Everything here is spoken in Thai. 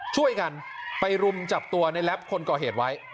ช่วยกันไปรุมจับตัวในแรปคนก่อเหตุไว้